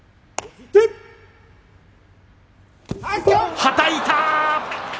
はたいた。